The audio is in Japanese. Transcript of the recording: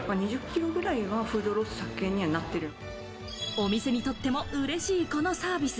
お店にとってもうれしい、このサービス。